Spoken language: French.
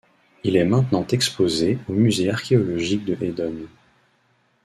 Il est maintenant exposée au musée archéologique de Aidone.